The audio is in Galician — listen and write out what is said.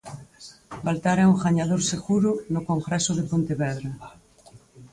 Baltar é un gañador seguro no congreso de Pontevedra.